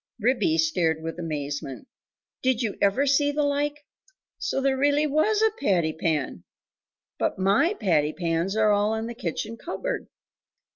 Ribby stared with amazement "Did you ever see the like! so there really WAS a patty pan?.... But my patty pans are all in the kitchen cupboard.